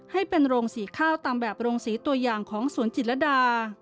ให้เป็นโรงสีข้าวตามแบบโรงสีตัวอย่างของสวนจิตรดา